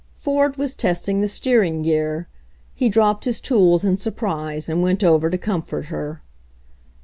Ford was testing the steering gear. He dropped his tools in surprise, and went over to comfort her.